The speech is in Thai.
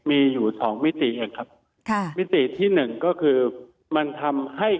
มีอยู่สองมิติเองครับค่ะมิติที่หนึ่งก็คือมันทำให้